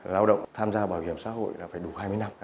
lao động tham gia bảo hiểm xã hội là phải đủ hai mươi năm